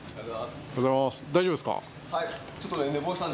大丈夫ですか？